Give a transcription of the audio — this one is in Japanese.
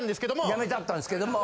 やめたったんですけども。